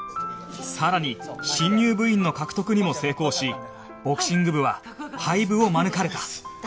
さらに新入部員の獲得にも成功しボクシング部は廃部を免れた